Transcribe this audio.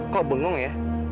kok bengong ya